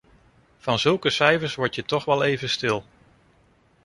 Van zulke cijfers word je toch wel even stil.